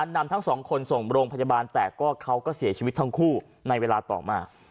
นำทั้งสองคนส่งโรงพยาบาลแต่ก็เขาก็เสียชีวิตทั้งคู่ในเวลาต่อมา